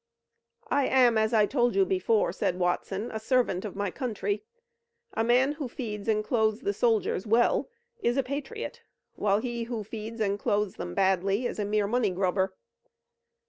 "I am, as I told you before," said Watson, "a servant of my country. A man who feeds and clothes the soldiers well is a patriot, while he who feeds and clothes them badly is a mere money grubber."